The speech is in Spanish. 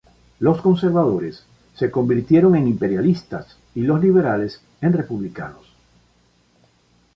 Los conservadores se convirtieron en imperialistas y los liberales en republicanos.